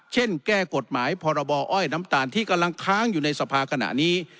แก้กฎหมายพรบอ้อยน้ำตาลที่กำลังค้างอยู่ในสภาขณะนี้